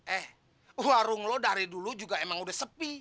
eh warung lo dari dulu juga emang udah sepi